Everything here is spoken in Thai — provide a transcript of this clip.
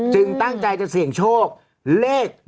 ตั้งใจจะเสี่ยงโชคเลข